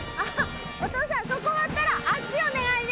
お父さんそこ終わったらあっちお願いね。